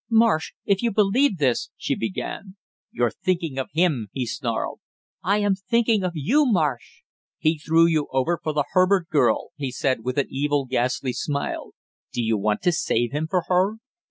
"Marsh, if you believe this " she began. "You're thinking of him!" he snarled. "I am thinking of you, Marsh!" "He threw you over for the Herbert girl!" he said with an evil ghastly smile. "Do you want to save him for her?"